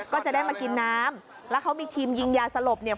ก็จะได้มากินน้ำแล้วเขามีทีมยิงยาสลบเนี่ย